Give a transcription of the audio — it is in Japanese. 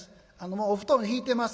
もうお布団ひいてます